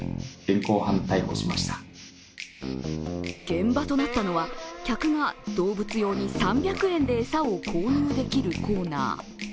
現場となったのは、客が動物用に３００円で餌を購入できるコーナー。